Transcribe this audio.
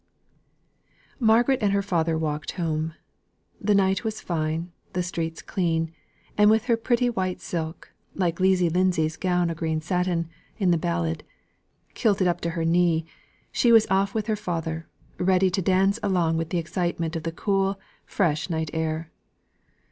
Margaret and her father walked home. The night was fine, the streets clean, and with her pretty white silk, like Leezie Lindsay's gown o' green satin, in the ballad, "kilted up to her knee," she was off with her father ready to dance along with the excitement of the cool, fresh night air.